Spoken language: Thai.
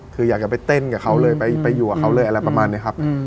คืออยากจะไปเต้นกับเขาเลยไปอยู่กับเขาเลยอะไรประมาณนี้ครับ